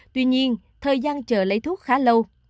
tuy nhiên thời gian chờ lấy thuốc khá lâu